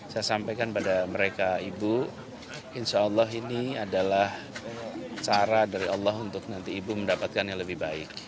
saya sampaikan pada mereka ibu insya allah ini adalah cara dari allah untuk nanti ibu mendapatkan yang lebih baik